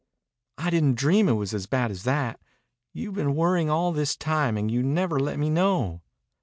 "I didn't dream it was as bad as that. You've been worrying all this time and you never let me know."